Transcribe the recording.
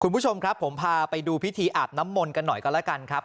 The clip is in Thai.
คุณผู้ชมครับผมพาไปดูพิธีอาบน้ำมนต์กันหน่อยก็แล้วกันครับ